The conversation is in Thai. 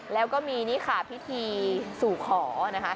แล้วก็มีนี่ค่ะพิธีสู่ขอนะคะ